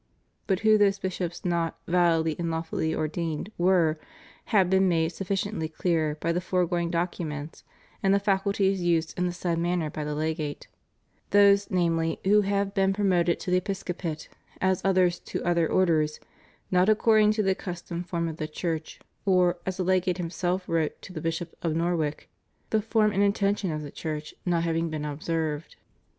But who those bishops not "validly and lawfully ordained" were had been made sufficiently clear by the foregoing documents and the faculties used in the said matter by the Legate: those, namely, who have been promoted to the Episcopate, as others to other Orders "not according to the accustomed form of the Church," or, as the Legate himself wrote to the Bishop of Norwich, " the form and intention of the Church " not having been observed.